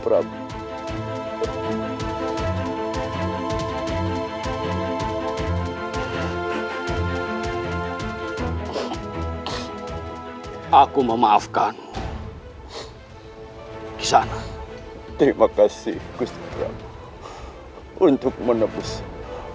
ramuannya sedang bereaksi